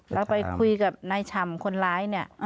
แล้วไปคุยกับนายฉ่ำคนร้ายเนี่ย